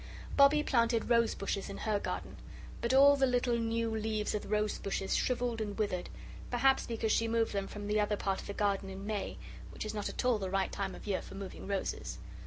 Bobbie planted rose bushes in her garden, but all the little new leaves of the rose bushes shrivelled and withered, perhaps because she moved them from the other part of the garden in May, which is not at all the right time of year for moving roses.